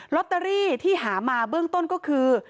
ลอตเตอรี่ที่หามาเบื้องต้นก็คือ